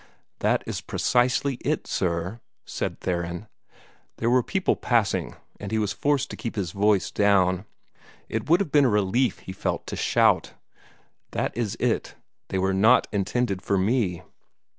"That is precisely it, sir," said Theron. There were people passing, and he was forced to keep his voice down. It would have been a relief, he felt, to shout. "That is it they were not intended for me."